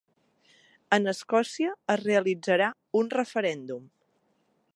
En Escòcia es realitzarà un referèndum